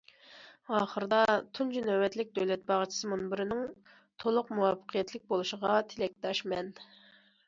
ئاخىرىدا، تۇنجى نۆۋەتلىك دۆلەت باغچىسى مۇنبىرىنىڭ تولۇق مۇۋەپپەقىيەتلىك بولۇشىغا تىلەكداشمەن!